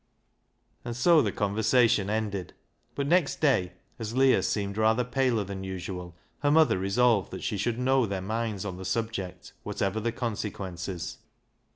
And so the conversation ended, but next day, LEAH'S LOVER 85 as Leah seemed rather paler than usual, her mother resolved that she should know their minds on the subject whatever the consequences.